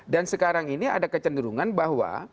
dan sekarang ini ada kecenderungan bahwa